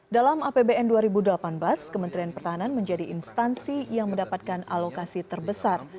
dalam apbn dua ribu delapan belas kementerian pertahanan menjadi instansi yang mendapatkan alokasi terbesar